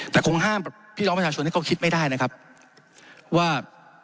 แต่คงห้ามพี่น้องประชาชนให้เขาคิดไม่ได้นะครับว่า